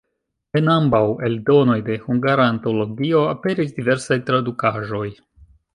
En ambaŭ eldonoj de Hungara Antologio aperis diversaj tradukaĵoj.